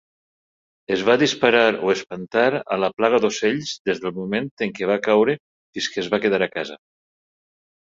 Es va disparar o espantar a la plaga d'ocells des del moment en què va caure fins que es va quedar a casa.